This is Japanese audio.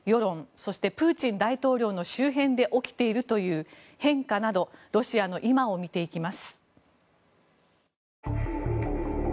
そして、プーチン大統領の周辺で起きているという変化などロシアの今を見ていきます。